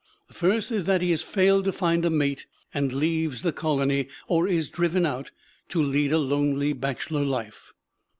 The first is that he has failed to find a mate and leaves the colony, or is driven out, to lead a lonely bachelor life.